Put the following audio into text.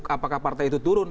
apakah partai itu turun